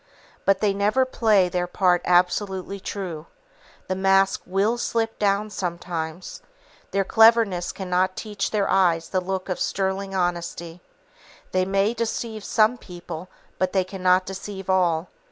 But they never play their part absolutely true, the mask will slip down sometimes; their cleverness cannot teach their eyes the look of sterling honesty; they may deceive some people, but they cannot deceive all.